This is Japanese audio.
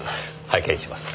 拝見します。